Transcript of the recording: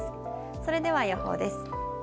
それでは予報です。